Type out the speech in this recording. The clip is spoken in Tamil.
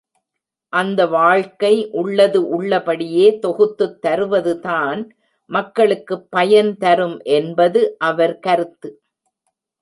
அந்த வழக்கை உள்ளது உள்ளபடியே தொகுத்துத் தருவது தான் மக்களுக்குப் பயன் தரும் என்பது அவர் கருத்து.